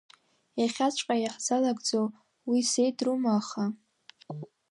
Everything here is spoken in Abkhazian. Иахьаҵәҟьа иаҳзалагӡо уи сеидрума, аха…